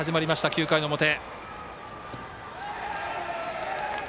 ９回の表。